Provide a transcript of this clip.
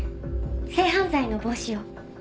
性犯罪の防止を。